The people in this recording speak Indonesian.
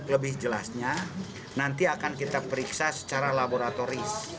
lebih jelasnya nanti akan kita periksa secara laboratoris